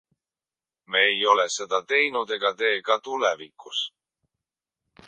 Me ei ole seda teinud ega tee ka tulevikus.